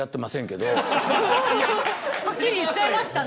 はっきり言っちゃいましたね。